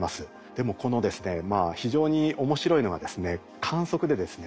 でもこのですね非常に面白いのがですね観測でですね